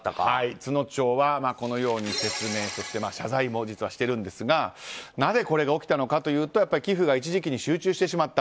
都農町はこのように説明として謝罪も実はしてるんですがなぜ、これが起きたのかというと寄付が一時期に集中してしまった。